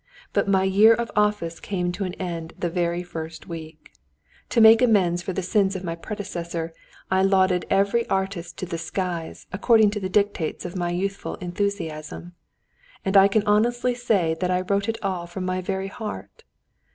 But my year of office came to an end the very first week. To make amends for the sins of my predecessor, I lauded every artist to the skies, according to the dictates of my youthful enthusiasm. And I can honestly say that I wrote it all from my very heart.